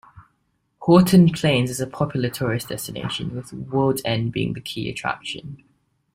Horton Plains is a popular tourist destination, with World's End being the key attraction.